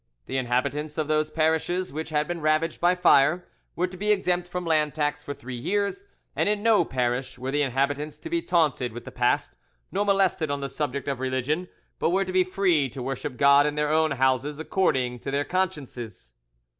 The inhabitants of those parishes which had been ravaged by fire were to be exempt from land tax for three years; and in no parish were the inhabitants to be taunted with the past, nor molested on the subject of religion, but were to be free to worship God in their own houses according to their consciences."